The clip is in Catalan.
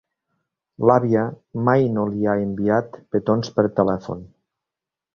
L'àvia mai no li ha enviat petons per telèfon.